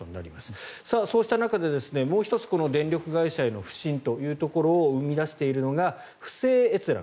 そうした中でもう１つ電力会社への不信を生み出しているのが不正閲覧。